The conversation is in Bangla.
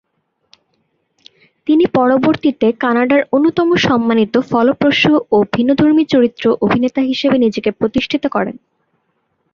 তিনি পরবর্তীতে কানাডার অন্যতম সম্মানিত, ফলপ্রসূ ও ভিন্নধর্মী চরিত্র অভিনেতা হিসেবে নিজেকে প্রতিষ্ঠিত করেন।